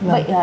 vậy giáo sư